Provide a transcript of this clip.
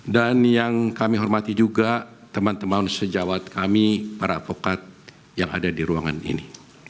dan yang kami hormati juga teman teman sejawat kami para pokat yang ada di ruangan ini